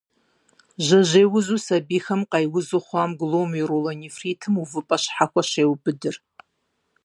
Жьэжьей узу сабийхэм къайузу хъуам гломерулонефритым увыпӏэ щхьэхуэ щеубыдыр.